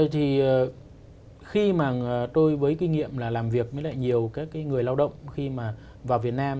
thì khi mà tôi với kinh nghiệm là làm việc với lại nhiều các người lao động khi mà vào việt nam